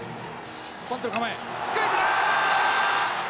バントの構えスクイズだ！